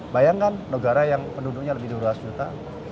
bayangkan negara yang penduduknya lebih dua ratus juta